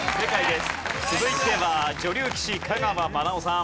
続いては女流棋士香川愛生さん。